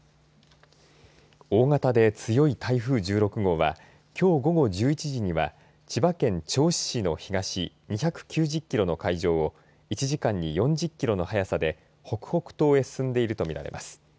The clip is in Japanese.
大型で強い台風１６号はきょう午後１１時には千葉県銚子市の東２９０キロの海上を１時間に４０キロの速さで北北東へ進んでいるとみられます。